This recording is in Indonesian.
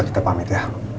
gak usah kita pamit ya